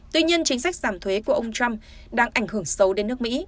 tuy nhiên chính sách giảm thuế của ông trump đang ảnh hưởng sâu đến nước mỹ